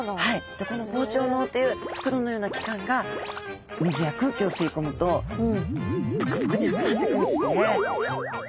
でこの膨張のうという袋のような器官が水や空気を吸い込むとぷくぷくに膨らんでいくんですね。